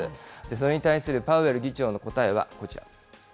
それに対するパウエル議長の答えはこちら。